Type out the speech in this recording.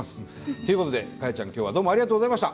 ということで果耶ちゃん今日はどうもありがとうございました！